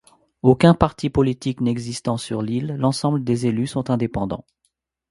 Aucun parti politique n'existant sur l'île, l'ensemble des élus sont indépendants.